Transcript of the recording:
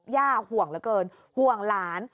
ห่วงเหลือเกินห่วงหลาน